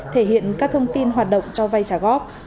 thể hiện các thông tin hoạt động cho vay trả góp